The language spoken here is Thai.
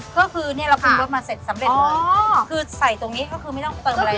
ก็คือเนี่ยเราปรุงรสมาเสร็จสำเร็จคือใส่ตรงนี้ก็คือไม่ต้องเติมอะไร